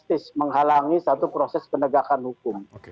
ini adalah satu proses penegakan hukum